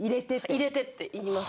「入れて」って言います。